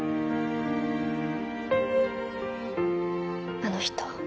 あの人